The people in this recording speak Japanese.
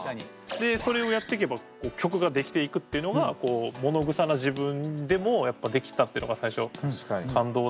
でそれをやってけばこう曲が出来ていくっていうのがものぐさな自分でもやっぱ出来たっていうのが最初感動だったんで。